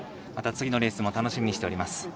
また、次のレースも楽しみにしています。